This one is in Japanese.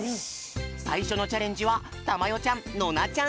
さいしょのチャレンジはたまよちゃんノナちゃんチーム。